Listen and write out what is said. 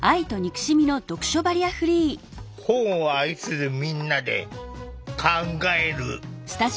本を愛するみんなで考える。